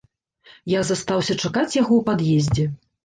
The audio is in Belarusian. Я застаўся чакаць яго ў пад'ездзе.